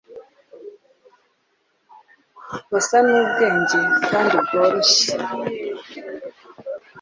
Basa n'ubwenge kandi bworoshye